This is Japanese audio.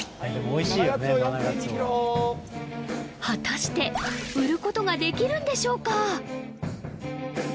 果たして売ることができるんでしょうか？